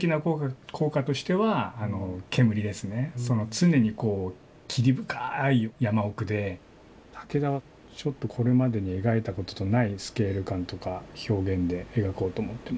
常にこう霧深い山奥で武田はちょっとこれまでに描いたことのないスケール感とか表現で描こうと思ってますね。